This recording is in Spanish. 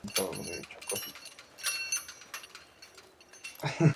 Es el minijuego secundario de "Pop'n music Carnival".